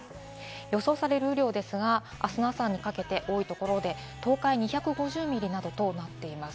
予想される雨量ですが、あすの朝にかけて多いところで東海２５０ミリなどとなっています。